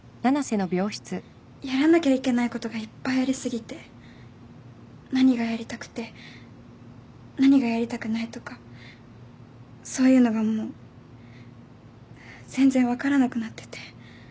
やらなきゃいけないことがいっぱいあり過ぎて何がやりたくて何がやりたくないとかそういうのがもう全然分からなくなってて